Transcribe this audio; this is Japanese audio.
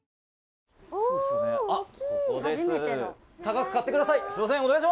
「高く買ってください！